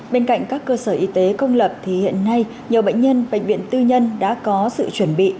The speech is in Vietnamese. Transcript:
bên cạnh các cơ sở y tế công lập thì hiện nay nhiều bệnh nhân bệnh viện tư nhân đã có sự chuẩn bị